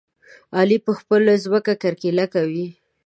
علي په خپله ځمکه کرکيله کوي.